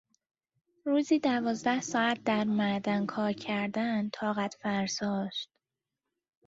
روزی دوازده ساعت در معدن کارکردن طاقت فرساست.